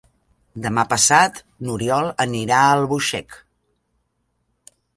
Demà passat n'Oriol anirà a Albuixec.